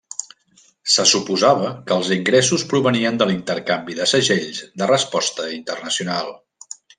Se suposava que els ingressos provenien de l'intercanvi de segells de resposta internacional.